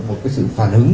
một cái sự phản ứng